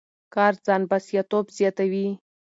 کار ځان بسیا توب زیاتوي.